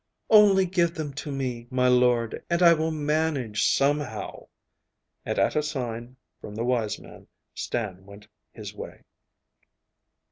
'Only give them to me, my lord, and I will manage somehow!' and at a sign from the wise man Stan went his way.